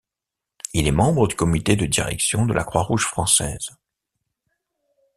Il est membre du comité de direction de la Croix-Rouge française.